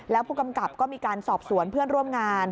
แล้วผู้กำกับก็มีการสอบสวนเพื่อนร่วมงาน